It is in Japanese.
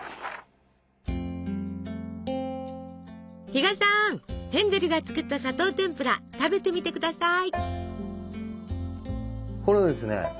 比嘉さんヘンゼルが作った砂糖てんぷら食べてみて下さい！